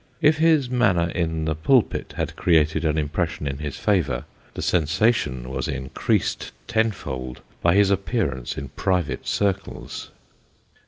If his manner in the pulpit had created an impression in his favour, the sensation was increased ten fold, by his appearance in private circles.